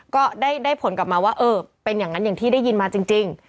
ก็ได้ผลกลับมาว่าเออเป็นอย่างนั้นอย่างที่ได้ยินมาจริง